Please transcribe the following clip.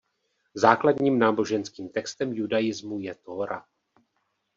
Základním náboženským textem judaismu je Tóra.